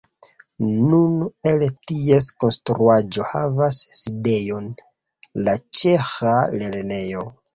Nun el ties konstruaĵo havas sidejon la ĉeĥa lernejo.